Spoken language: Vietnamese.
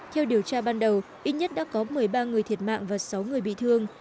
theo điều tra ban đầu ít nhất đã có một mươi ba người thiệt mạng và sáu người bị thương